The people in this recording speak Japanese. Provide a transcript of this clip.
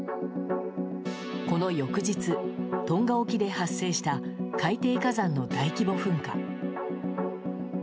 この翌日、トンガ沖で発生した海底火山の大規模噴火。